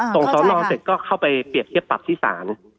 สอนอเสร็จก็เข้าไปเปรียบเทียบปรับที่ศาล